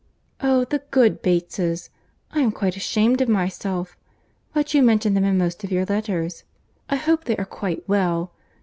"Oh! the good Bateses—I am quite ashamed of myself—but you mention them in most of your letters. I hope they are quite well.